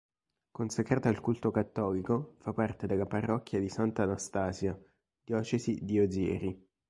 Consacrata al culto cattolico, fa parte della parrocchia di Santa Anastasia, diocesi di Ozieri.